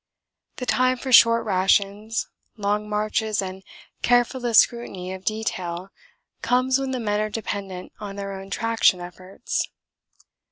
The time for short rations, long marches and carefullest scrutiny of detail comes when the men are dependent on their own traction efforts.